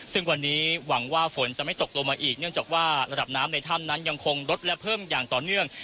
ซึ่งวันนี้หวังว่าฝนจะไม่ตกลงมาอีกเนื่องจากว่าระดับน้ำในถ้ำนั้นยังคงลดและเพิ่มอย่างต่อเนื่อง